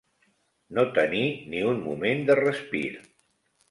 No tenir ni un moment de respir.